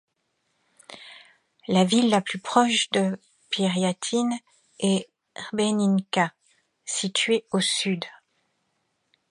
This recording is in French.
La ville la plus proche de Pyriatyn est Hrebinka, située à au sud.